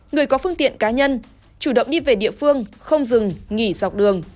người có phương tiện cá nhân chủ động đi về địa phương không dừng nghỉ dọc đường